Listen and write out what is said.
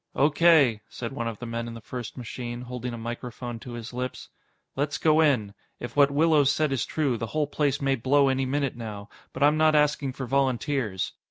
"O.K.," said one of the men in the first machine, holding a microphone to his lips, "let's go in. If what Willows said is true, the whole place may blow any minute now, but I'm not asking for volunteers.